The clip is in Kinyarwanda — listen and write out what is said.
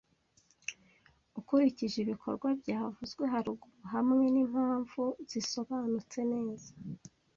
Ukurikije ibikorwa byavuzwe haruguru hamwe nimpamvu zisobanutse neza